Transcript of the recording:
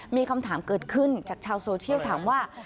มีคำถามเกิดขึ้นจากชาวโซเชียลถามว่า